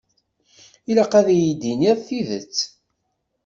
Ilaq ad iyi-d-tiniḍ tidet.